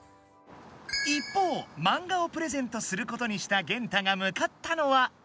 一方マンガをプレゼントすることにしたゲンタがむかったのは。